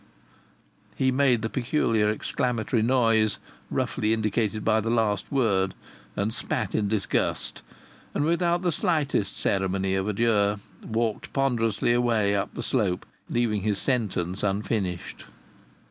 He made the peculiar exclamatory noise roughly indicated by the last word, and spat in disgust; and without the slightest ceremony of adieu walked ponderously away up the slope, leaving his sentence unfinished.